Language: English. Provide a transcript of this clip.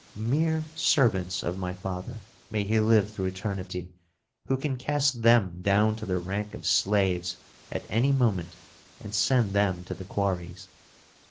Mere servants of my father, may he live through eternity! who can cast them down to the rank of slaves at any moment and send them to the quarries.